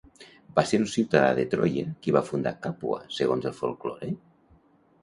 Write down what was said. Va ser un ciutadà de Troia qui va fundar Càpua segons el folklore?